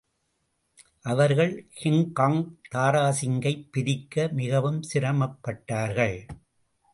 அவர்கள் கிங்காங் தாராசிங்கைப் பிரிக்க மிகவும் சிரமப்பட்டார்கள்.